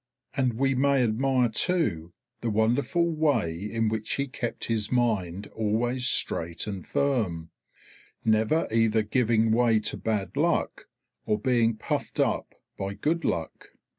And we may admire too the wonderful way in which he kept his mind always straight and firm, never either giving way to bad luck or being puffed up by good luck.